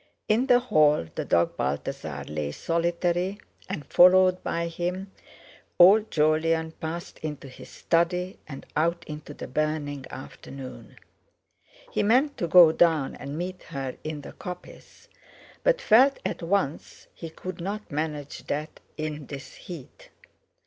In the hall the dog Balthasar lay solitary, and, followed by him, old Jolyon passed into his study and out into the burning afternoon. He meant to go down and meet her in the coppice, but felt at once he could not manage that in this heat.